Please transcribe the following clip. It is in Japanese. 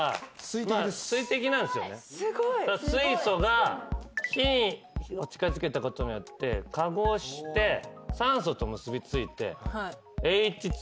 水素が火を近づけたことによって化合して酸素と結び付いてＨ２Ｏ。